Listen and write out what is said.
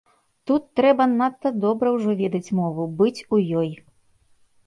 Тут трэба надта добра ўжо ведаць мову, быць у ёй.